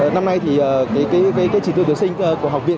năm nay thì cái chỉ tiêu tuyển sinh của học viện